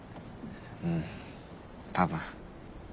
うん多分。